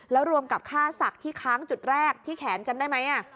แล้วรวมกับค่าศักดิ์ที่ค้างจุดแรกที่แขนจำได้ไหม